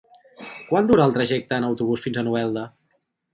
Quant dura el trajecte en autobús fins a Novelda?